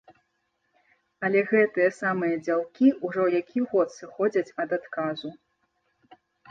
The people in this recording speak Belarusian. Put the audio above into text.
Але гэтыя самыя дзялкі ўжо які год сыходзяць ад адказу!